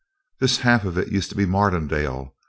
"This half of it used to be Mardonale.